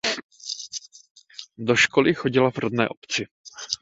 Do školy chodila v rodné obci.